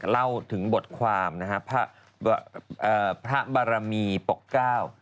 เล่าถึงบทความนะฮะพระบารมีปกเก้า